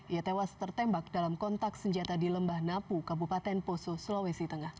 ia tewas tertembak dalam kontak senjata di lembah napu kabupaten poso sulawesi tengah